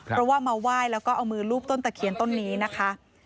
เพราะว่ามาไหว้แล้วก็เอามือรูปต้นตะเคียนต้นนี้นะคะ